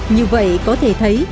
như vậy có thể thấy